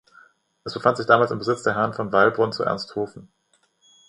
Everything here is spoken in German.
Es befand sich damals im Besitz der Herren von Wallbrunn zu Ernsthofen.